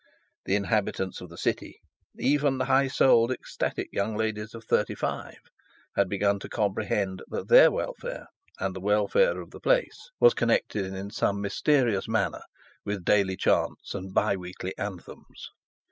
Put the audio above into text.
The inhabitants of the city, even the high souled ecstatic young ladies of thirty five, had begun to comprehend that their welfare and the welfare of the place, was connected in some mysterious manner with the daily chants of the bi weekly anthems.